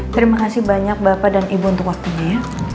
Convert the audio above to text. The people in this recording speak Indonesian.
terima kasih banyak bapak dan ibu untuk waktunya